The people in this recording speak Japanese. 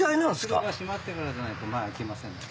後ろが閉まってからじゃないと前開きませんので。